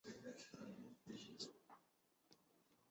基因表达的变化亦可增强癌细胞亚群对化疗的抵抗力。